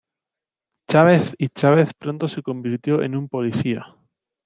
Chavez y Chavez pronto se convirtió en un policía.